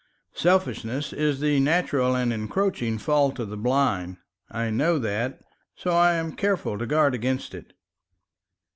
"Selfishness is the natural and encroaching fault of the blind. I know that, so I am careful to guard against it."